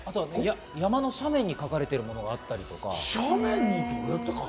山の斜面に描かれているものがあったりとか。